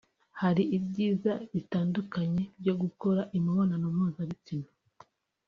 Hari ibyiza bitandukanye byo gukora imibonano mpuzabitsina